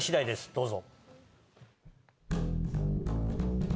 どうぞ。